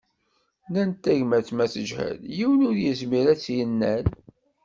Nnan tagmat ma teǧhed, yiwen ur yezmir ad tt-yennal.